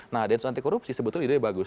nah densus anti korupsi sebetulnya idenya bagus